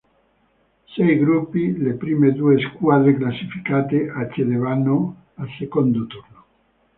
Sei gruppi, le prime due squadre classificate accedevano al secondo turno.